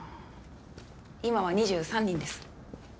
今は２３人です